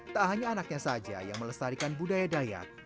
tak hanya anaknya saja yang melestarikan budaya dayak